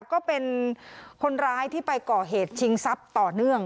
ก็เป็นคนร้ายที่ไปก่อเหตุชิงทรัพย์ต่อเนื่อง